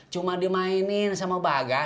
cuma dimainin sama bagas